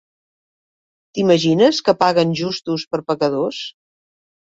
T'imagines que paguen justos per pecadors?